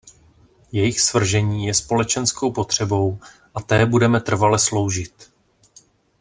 Jejich svržení je společenskou potřebou a té budeme trvale sloužit.